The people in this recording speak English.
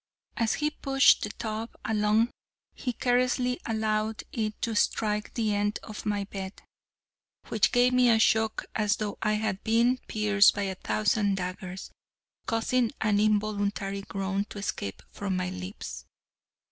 As he pushed the tub along he carelessly allowed it to strike the end of my bed, which gave me a shock as though I had been pierced by a thousand daggers, causing an involuntary groan to escape from my lips.